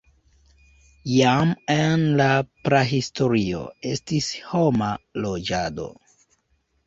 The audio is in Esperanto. Jam en la prahistorio estis homa loĝado.